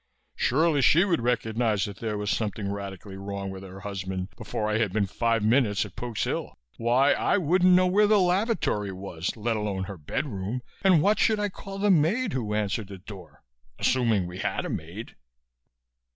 Surely she would recognize that there was something radically wrong with her husband before I had been five minutes at Pook's Hill. Why! I wouldn't know where the lavatory was, let alone her bedroom, and what should I call the maid who answered the door, assuming we had a maid?